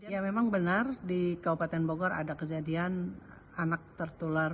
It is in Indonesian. ya memang benar di kabupaten bogor ada kejadian anak tertular